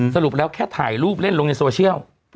สรุปแล้วแค่ถ่ายรูปเล่นลงในโซเชียล